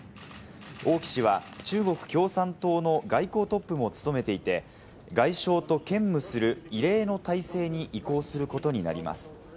オウ・キ氏は中国共産党の外交トップも務めていて、外相と兼務する異例の体制に移行することになります。